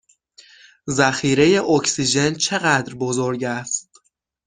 ذخیره اکسیژن چه قدر بزرگ است؟